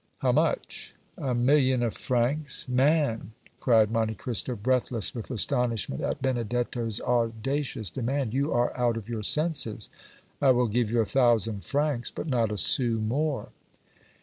"How much?" "A million of francs!" "Man!" cried Monte Cristo, breathless with astonishment at Benedetto's audacious demand, "you are out of your senses! I will give you a thousand francs, but not a sou more!"